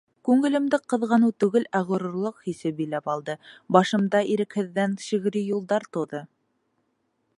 Күңелемде ҡыҙғаныу түгел, ә ғорурлыҡ хисе биләп алды, башымда ирекһеҙҙән шиғри юлдар тыуҙы: